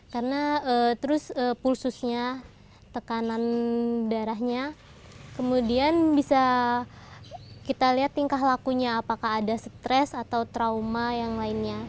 karena terus pulsusnya tekanan darahnya kemudian bisa kita lihat tingkah lakunya apakah ada stres atau trauma yang lainnya